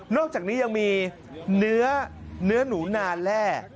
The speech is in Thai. อกจากนี้ยังมีเนื้อหนูนาแร่